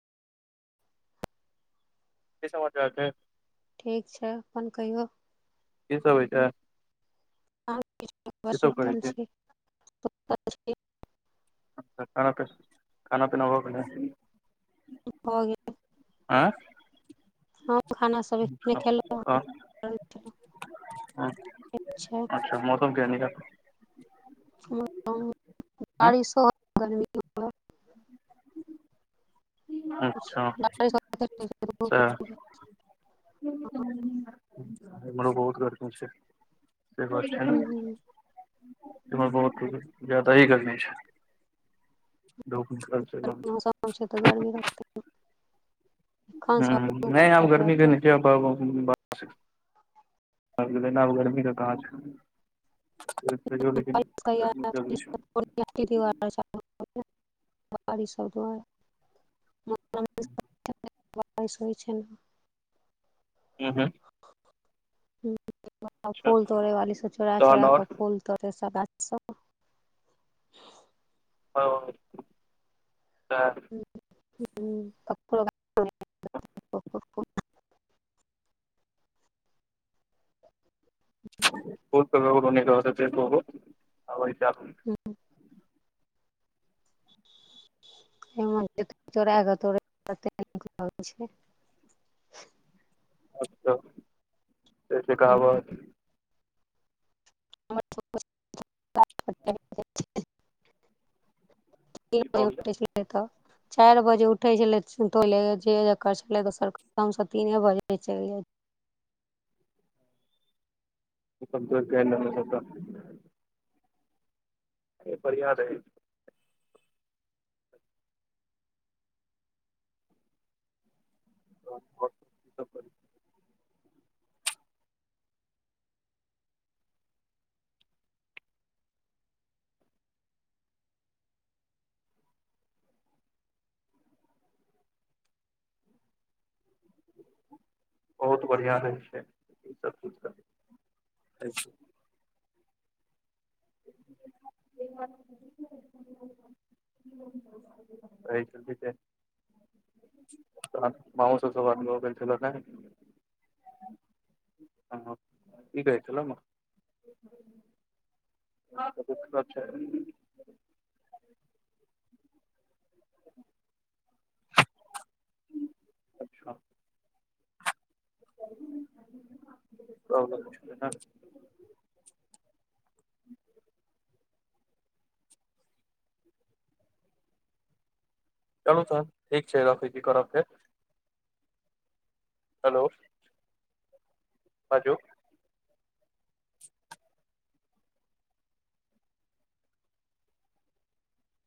कि समाचार छै? ठीक छै। अपन कहियौ? की सभ होइ छै? कहा किछु बौआ की सब करै सुतल छी छै [unintelligible] खाना पी खाना पीना हो गेलल? हो गेल। आँ हम खानासभ एखने खेलौ हन। त [unintelligible] हूँ बारिशो गरमी अच्छा बारिश त एम्हरो बहुत गर्मि छै। से बात छै ने, बहुत जादा गर्मी छै। द गरमीके मौसम छै। तऽ गर्मी रहतै एखन ह सँ अक्टूबर नहि आब तक गर्मी [unintelligible] रहतै न [inaudible] आब गर्मी क कहाँ छै। [unintelligible] तैयो लेकिन ार गर्मी जरूरी छै हूँ [unintelligible] बारिस सभ दइ बारिश होइ छै। ने ह हँ अच्छा फूल तोड़ैवाली सभ चोरा तहन चोरी आओर हँ फूल तोड़ै छै, सभ गाछके। ह तऽ [unintelligible] [inaudible] बहुत करो न रह छ बहु आब चू [unintelligible] हू हेमंत एथिन चोरै क तोड़े [unintelligible] अच्छा, एसे कहबात? [unintelligible] [unintelligible] ई भऽ गेलै चारि बजे उठै छलै, तोड़ि लैत छलै जे जेकर छलै। दोसर तऽ हमसँ तीन बजे चलि जाइत। उपक्रम केहन रहलै? सभटा से बढ़ियां रहैत। घर पर सभ बढ़िया बहुत बढ़ियां रहै छै। ई सभ चीज कऽ [unintelligible] कहै छली जे तहन मांओ सभ सब आदमी दौगै छलाह नै [unintelligible] त दिक्कत छै अच्छा तब न उठबै न चलू तहन ठीक छै रखै छी करब फेर हेलो बाजू [unintelligible]